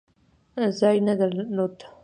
ځای نه درلود.